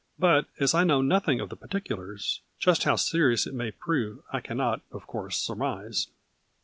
But as I know nothing of the particulars, just how serious it may prove I can not of course sur mise.